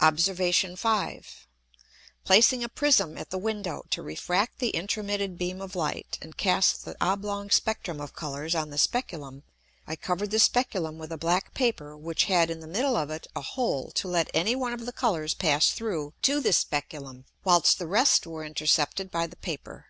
Obs. 5. Placing a Prism at the Window to refract the intromitted beam of Light, and cast the oblong Spectrum of Colours on the Speculum: I covered the Speculum with a black Paper which had in the middle of it a hole to let any one of the Colours pass through to the Speculum, whilst the rest were intercepted by the Paper.